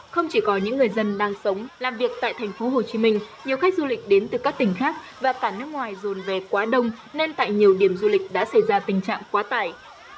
không chỉ có những người dân đang sống làm việc tại tp hcm nhiều khách du lịch đến từ các tỉnh khác và cả nước ngoài dồn về quá đông nên tại nhiều điểm du lịch đã xảy ra tình trạng quá tải